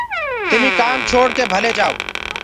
تمي ڪآم ڇوڙ ڪي ڀلي جآئو۔